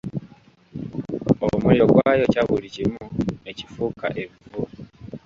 Omuliro gwayokya buli kimu ne kifuuka evvu.